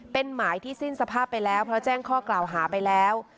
เป็นหมายที่สิ้นสภาพไปแล้วเพราะแจ้งข้อกล่าวหาไปแล้ว